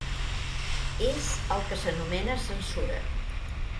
És el que s'anomena "censura".